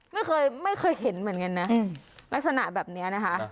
ไม่เคยไม่เคยเห็นเหมือนกันนะลักษณะแบบนี้นะคะ